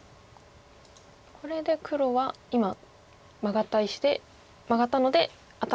これで黒は今マガった石でマガったので頭出して。